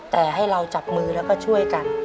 แต่ให้เราจับมือแล้วก็ช่วยกัน